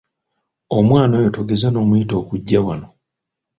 Omwana oyo togeza n’omuyita okujja wano!